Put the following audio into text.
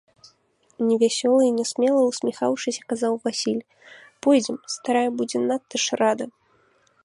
— невясёла і нясмела ўсміхаўшыся, казаў Васіль, — пойдзем, старая будзе надта ж рада.